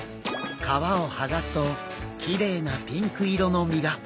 皮をはがすときれいなピンク色の身が。